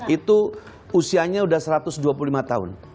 itu usianya sudah satu ratus dua puluh lima tahun